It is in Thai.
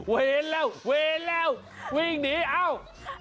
ว้านแล้ววิ่งหนีเอ่า